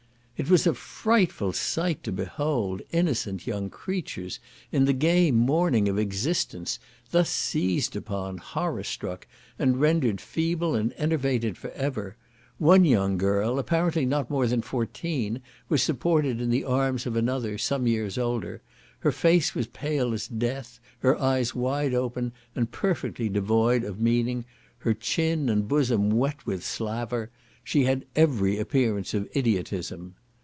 It was a frightful sight to behold innocent young creatures, in the gay morning of existence, thus seized upon, horror struck, and rendered feeble and enervated for ever. One young girl, apparently not more than fourteen, was supported in the arms of another, some years older; her face was pale as death; her eyes wide open, and perfectly devoid of meaning; her chin and bosom wet with slaver; she had every appearance of idiotism.